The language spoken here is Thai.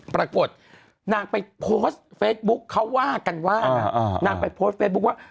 ปรากฏนางไปโพสต์เฟซบุ๊คเขาว่ากันว่านะนางไปโพสต์เฟซบุ๊คว่า